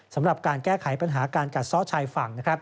สำหรับการแก้ไขปัญหาการกัดซ้อชายฝั่ง